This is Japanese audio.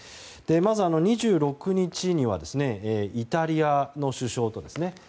まず２６日にはイタリアの首相とですね。